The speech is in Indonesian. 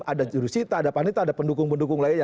ada jurusita ada panita ada pendukung pendukung lainnya